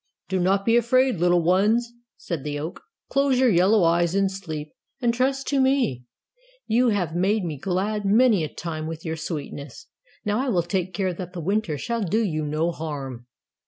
"Do not be afraid, little ones," said the oak, "close your yellow eyes in sleep, and trust to me. You have made me glad many a time with your sweetness. Now I will take care that the winter shall do you no harm."